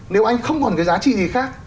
nếu anh không còn cái giá trị gì khác